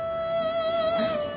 えっ？